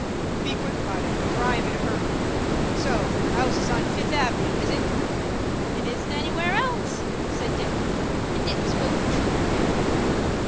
"Be quick about it, for I am in a hurry. So your house is on Fifth Avenue, is it?" "It isn't anywhere else," said Dick, and Dick spoke the truth there.